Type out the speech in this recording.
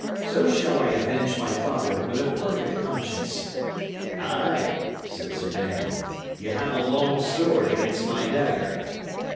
So shall I avenge my father, with a perfect conscience." "Ay," said Sir Daniel, "y' have a long sword against my dagger."